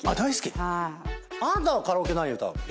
あなたはカラオケ何歌うの？